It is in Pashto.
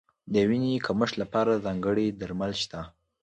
د وینې کمښت لپاره ځانګړي درمل شته.